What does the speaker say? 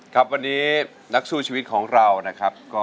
ครับวันนี้นักสู้ชีวิตของเรานะครับ